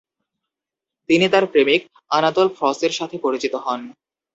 তিনি তার প্রেমিক আনাতোল ফ্রঁসের সাথে পরিচিত হন।